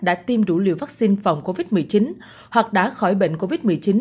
đã tiêm đủ liều vaccine phòng covid một mươi chín hoặc đã khỏi bệnh covid một mươi chín